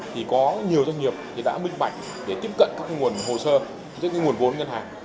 thì có nhiều doanh nghiệp thì đã minh bạch để tiếp cận các nguồn hồ sơ những nguồn vốn ngân hàng